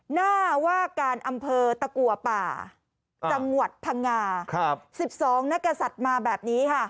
หน้าว่าการอำเภอตะกัวป่าจังหวัดพังงา๑๒นักศัตริย์มาแบบนี้ค่ะ